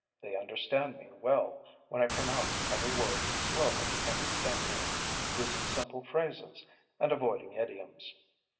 They understand me well when I pronounce every word slowly and distinctly using simple phrases, and avoiding idioms.